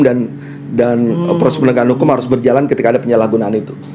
dan proses penegakan hukum harus berjalan ketika ada penyalahgunaan itu